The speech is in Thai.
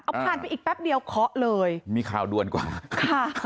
เอาผ่านไปอีกแป๊บเดียวเคาะเลยมีข่าวด่วนกว่าค่ะ